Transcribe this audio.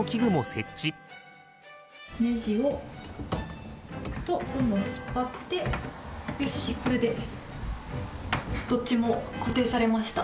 ネジを突っ張ってよしこれでどっちも固定されました。